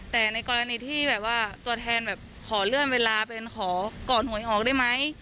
แต่ในกรณีที่แบบว่าตัวแทนแบบขอเลื่อนเวลาเป็นขอก่อนหวยออกได้ไหม